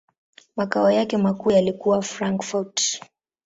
Makao yake makuu yalikuwa Frankfurt.